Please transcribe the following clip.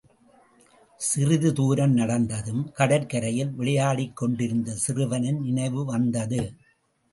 சிறிது தூரம் நடந்ததும், கடற்கரையில் விளையாடிக் கொண்டிருந்த சிறுவனின் நினைவு வந்தது.